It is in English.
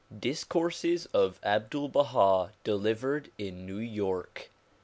Discourses of Abdul Balia delivered in New York.